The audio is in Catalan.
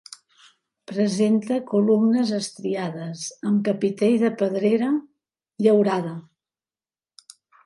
Presenta columnes estriades, amb capitell de pedrera llaurada.